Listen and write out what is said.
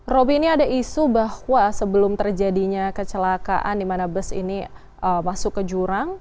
roby ini ada isu bahwa sebelum terjadinya kecelakaan di mana bus ini masuk ke jurang